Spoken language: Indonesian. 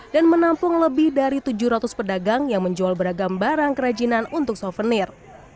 dan menampung lebih dari tujuh ratus pedagang yang menjual beragam barang kerajinan untuk souvenir